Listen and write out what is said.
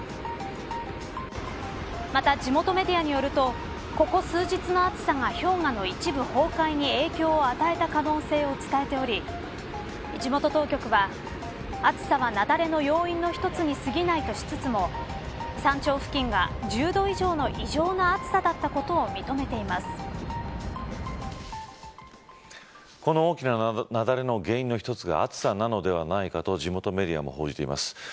また地元メディアによるとここ数日の暑さが氷河の一部崩壊に影響を与えた可能性を伝えており地元当局は暑さは雪崩の要因の一つに過ぎない、としつつも山頂付近が１０度以上の異常な暑さだったことをこの大きな雪崩の原因の一つが暑さなのではないかと地元メディアも報じています。